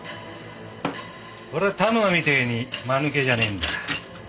俺は田沼みてえにまぬけじゃねえんだ。